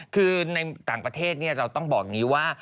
คือในต่างประเทศเราต้องบอกอย่างนี้ว่า